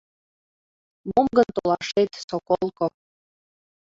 «Мом гын толашет, Соколко